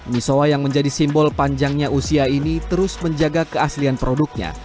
misowa yang menjadi simbol panjangnya usia ini terus menjaga keaslian produknya